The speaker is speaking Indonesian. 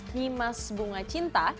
kimas bunga cinta